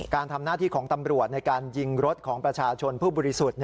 การทำหน้าที่ของตำรวจในการยิงรถของประชาชนผู้บริสุทธิ์